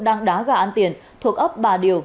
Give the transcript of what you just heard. đang đá gà ăn tiền thuộc ấp bà điều